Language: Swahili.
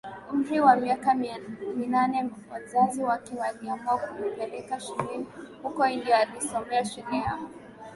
umri wa miaka minane wazazi wake waliamua kumpleka shuleni huko India Alisomea shule ya